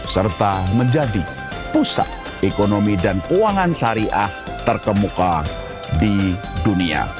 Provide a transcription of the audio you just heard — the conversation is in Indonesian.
serta menjadi pusat ekonomi dan keuangan syariah terkemuka di dunia